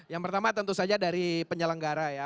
yang pertama tentu saja dari penyelenggara ya